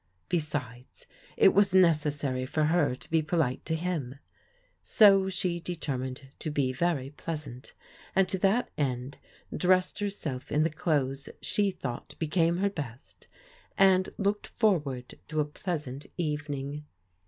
Besides, it was necessary for her to be polite to him. So she determined to be very pleasant, and to that end dressed herself in the clothes she thought became her best, and looked for ward to a pleasant evening.